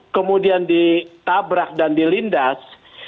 kemudian ditabrak dan dilindas